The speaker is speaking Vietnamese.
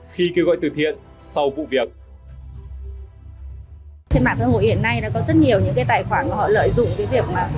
khi kêu gọi từ thiện sau vụ việc